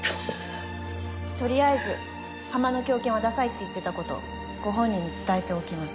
取りあえず「ハマの狂犬」はダサいって言ってたことご本人に伝えておきます。